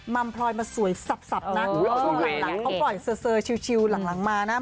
มัมพลอยมาสวยสับนะช่วงหลังเขาปล่อยเซอร์ชิลหลังมานะ